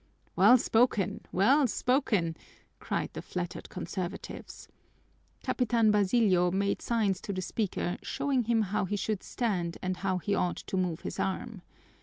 "Well spoken! Well spoken!" cried the flattered conservatives. Capitan Basilio made signs to the speaker showing him how he should stand and how he ought to move his arm.